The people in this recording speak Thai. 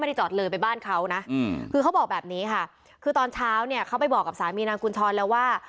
จอดเลยไปบ้านเขานะคือเขาบอกแบบนี้ค่ะคือตอนเช้าเนี่ยเขาไปบอกกับสามีนางกุญชรแล้วว่า